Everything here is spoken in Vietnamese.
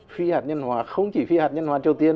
phi hạt nhân hóa không chỉ phi hạt nhân hóa triều tiên